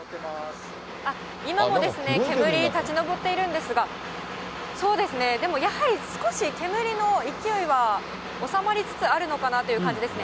今も煙、立ち上っているんですが、そうですね、でもやはり、少し煙の勢いは収まりつつあるのかなという感じですね。